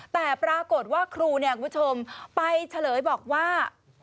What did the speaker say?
แต่ปรากฏว่าครูเนี่ยคุณผู้ชมไปเฉลยบอกว่า